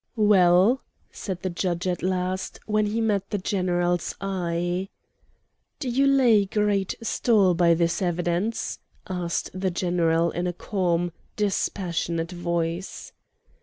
"Well?" said the Judge at last, when he met the General's eye. "Do you lay great store by this evidence?" asked the General in a calm, dispassionate voice.